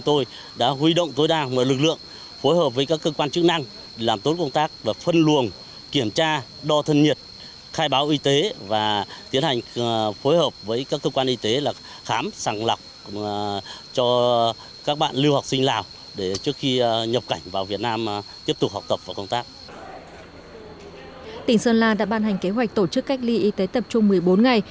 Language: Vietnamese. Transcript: tỉnh sơn la đã ban hành kế hoạch tổ chức cách ly y tế tập trung một mươi bốn ngày